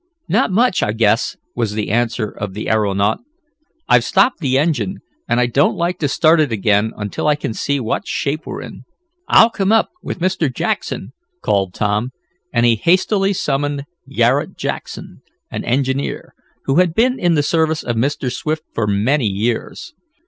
Not much, I guess," was the answer of the aeronaut. "I've stopped the engine, and I don't like to start it again until I can see what shape we're in." "I'll come up, with Mr. Jackson," called Tom, and he hastily summoned Garret Jackson, an engineer, who had been in the service of Mr. Swift for many years.